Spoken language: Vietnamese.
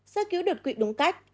sơ cứu đột quỵ đúng cách